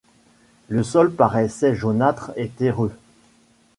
Le sol paraissait jaunâtre et terreux.